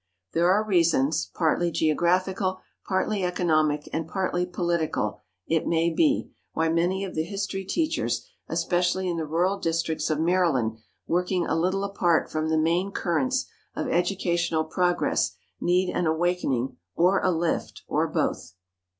There are reasons, partly geographical, partly economic and partly political, it may be, why many of the history teachers, especially in the rural districts of Maryland, working a little apart from the main currents of educational progress, need an awakening or a lift or both.